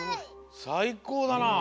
さいこうだな。